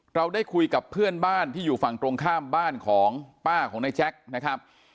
เราได้คุยกับเพื่อนบ้านที่อยู่ฝั่งตรงข้ามบ้านของป้าของนายแจ็คนะครับ